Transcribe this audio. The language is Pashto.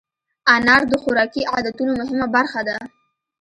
انار د خوراکي عادتونو مهمه برخه ده.